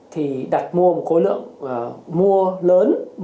thì đặt mua một khối lượng mua lớn